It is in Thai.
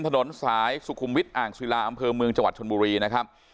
ถนนสายสุขุมวิทย์อ่างศิลาอำเภอเมืองจังหวัดชนบุรีนะครับ